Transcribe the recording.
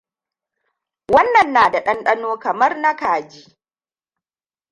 Wannan na da dandano kamar na kaji.